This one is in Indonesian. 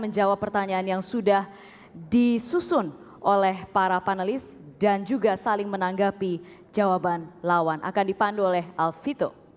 jawaban lawan akan dipandu oleh alfito